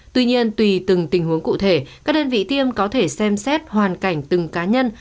tuy nhiên tùy từng tình huống cụ thể các đơn vị tiêm có thể xem xét hoàn cảnh từng cá nhân